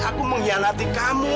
aku mengkhianati kamu